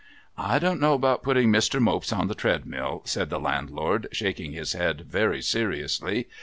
' I don't know about putting Mr. Mopes on the treadmill,' said the Landlord, shaking his head very seriously.